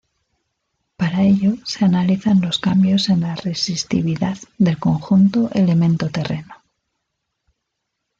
Para ello se analizan los cambios en la resistividad del conjunto elemento-terreno.